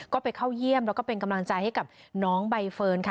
ก็ไปเข้าเยี่ยมแล้วก็เป็นกำลังใจให้กับน้องใบเฟิร์นค่ะ